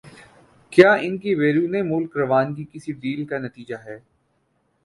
کیا ان کی بیرون ملک روانگی کسی ڈیل کا نتیجہ ہے؟